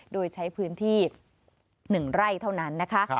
โดยใช้พื้นที่๑ไร่เท่านั้นนะคะ